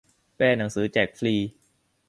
แปลหนังสือแจกฟรี